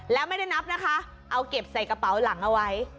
แล้วไม่ได้นับนะคะเอาเก็บใส่กระเป๋าหลังเอาไว้